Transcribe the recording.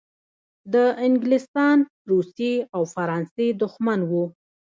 د انګلستان، روسیې او فرانسې دښمن وو.